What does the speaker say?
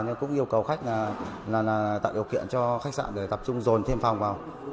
nhưng cũng yêu cầu khách là tạo điều kiện cho khách sạn để tập trung dồn thêm phòng vào